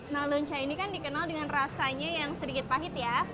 nah lonca ini kan dikenal dengan rasanya yang sedikit pahit ya